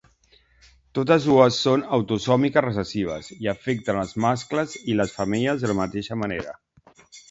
Totes dues són autosòmiques recessives i afecten els mascles i les femelles de la mateixa manera.